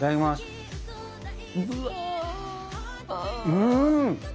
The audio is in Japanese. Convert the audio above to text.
うん！